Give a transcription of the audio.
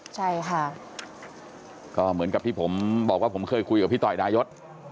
ใช่ค่ะก็เหมือนกับที่ผมบอกว่าผมเคยคุยกับพี่ต่อยดายศ